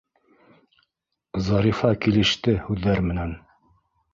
Зарифа килеште һүҙҙәр менән.